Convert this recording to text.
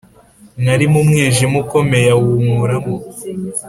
Narimumwijima ukomeye awunkuramo